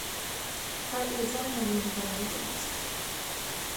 The party is running alone in all regions.